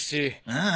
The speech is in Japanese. ああ。